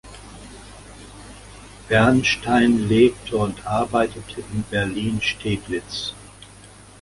Bernstein lebte und arbeitete in Berlin-Steglitz.